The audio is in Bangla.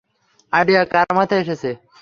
আইডিয়া কার মাথায় এসেছে?